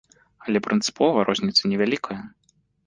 Але прынцыпова розніца не вялікая.